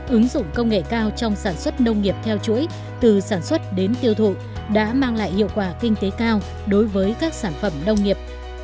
ứng dụng công nghệ cao trong sản xuất nông nghiệp theo chuỗi từ sản xuất đến tiêu thụ đã mang lại hiệu quả kinh tế cao đối với các sản phẩm nông nghiệp